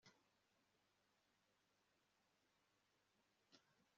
ukurikirana ibibi aba yishakiye urupfu